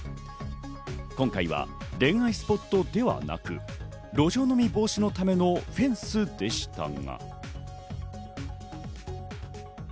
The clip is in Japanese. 今回は恋愛スポットではなく、路上飲み防止のためのフェンスでしたが。